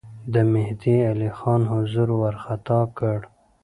د مهدی علي خان حضور وارخطا کړ.